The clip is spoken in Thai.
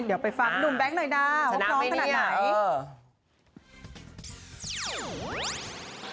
เดี๋ยวไปฟังหนุ่มแบงค์หน่อยนะว่าพร้อมขนาดไหน